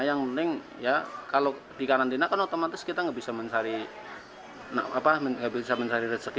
yang penting kalau dikarantina kan otomatis kita nggak bisa mencari rezeki